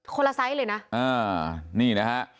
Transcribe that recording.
คนละไซส์เลยนะนี่นะฮะ